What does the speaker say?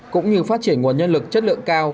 cũng như phát triển nguồn nhân lực chất lượng cao